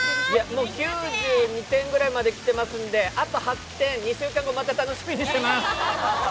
もう９２点ぐらいまで来てますので、あと８点、２週間後、また楽しみにしてます。